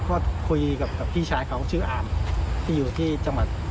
ก็คุยกับพี่ชายเขาชื่ออามที่อยู่ที่จังหวัด